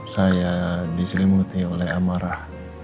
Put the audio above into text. saya diselimuti oleh amarah